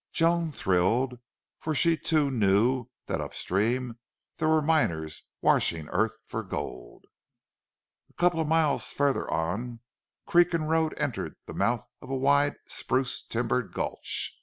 Joan thrilled, for she, too, knew that up stream there were miners washing earth for gold. A couple of miles farther on creek and road entered the mouth of a wide spruce timbered gulch.